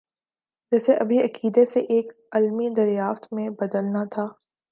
جسے ابھی عقیدے سے ایک علمی دریافت میں بدلنا تھا۔